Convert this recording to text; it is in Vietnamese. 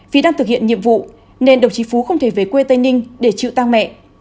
vì đang thực hiện nhiệm vụ nên đồng chí phú không thể về quê tây ninh để chịu tang mẹ